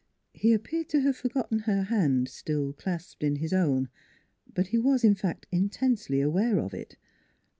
He appeared to have forgotten her hand, still clasped in his own; but he was in fact intensely aware of it.